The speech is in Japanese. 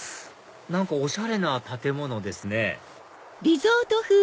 何かおしゃれな建物ですね